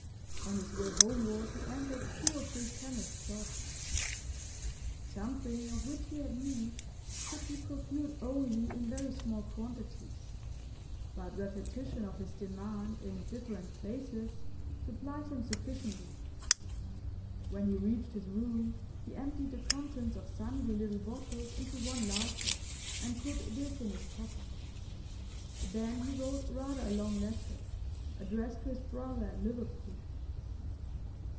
On his way homeward he entered two or three chemists' shops. Something of which he had need could be procured only in very small quantities; but repetition of his demand in different places supplied him sufficiently. When he reached his room, he emptied the contents of sundry little bottles into one larger, and put this in his pocket. Then he wrote rather a long letter, addressed to his brother at Liverpool.